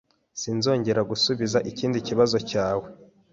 Sinzongera gusubiza ikindi kibazo cyawe.